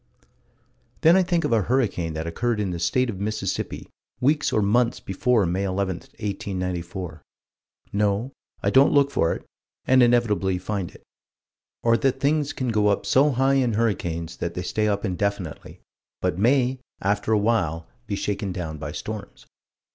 Then I think of a hurricane that occurred in the state of Mississippi weeks or months before May 11, 1894. No I don't look for it and inevitably find it. Or that things can go up so high in hurricanes that they stay up indefinitely but may, after a while, be shaken down by storms.